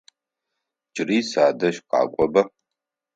Джыри садэжь къакӏоба!